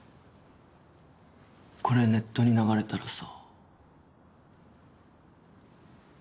これネットに流れたらさ